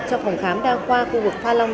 cho phòng khám đa khoa khu vực pha long